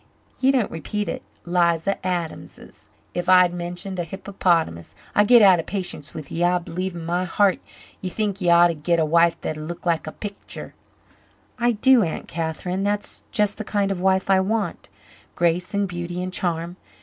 Ye needn't repeat it 'Liza ... Adams 's if I'd mentioned a hippopotamus. I git out of patience with ye. I b'lieve in my heart ye think ye ought to git a wife that'd look like a picter." "I do, Aunt Catherine. That's just the kind of wife I want grace and beauty and charm.